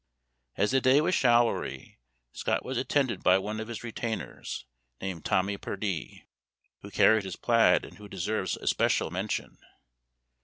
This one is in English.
As the day was showery, Scott was attended by one of his retainers, named Tommie Purdie, who carried his plaid, and who deserves especial mention.